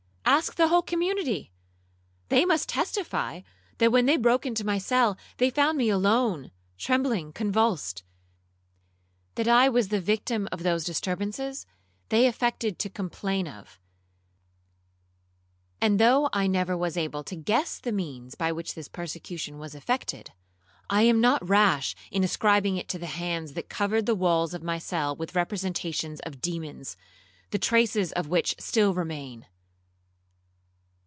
Ask the whole community—they must testify, that when they broke into my cell, they found me alone, trembling, convulsed. That I was the victim of those disturbances, they affected to complain of; and though I never was able to guess the means by which this persecution was effected, I am not rash in ascribing it to the hands that covered the walls of my cell with representations of demons, the traces of which still remain.'